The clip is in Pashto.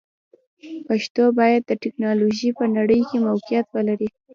پښتو باید د ټکنالوژۍ په نړۍ کې موقعیت ولري.